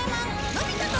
『のび太と』